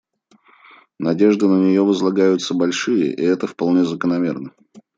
Надежды на нее возлагаются большие, и это вполне закономерно.